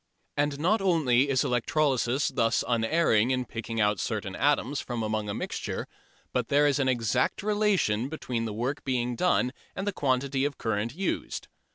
And not only is electrolysis thus unerring in picking out certain atoms from among a mixture, but there is an exact relation between the work done and the quantity of current used.